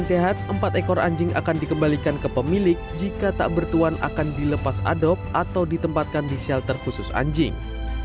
sehat empat ekor anjing akan dikembalikan ke pemilik jika tak bertuan akan dilepas adop atau ditempatkan di shelter khusus anjing